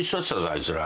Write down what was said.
あいつら。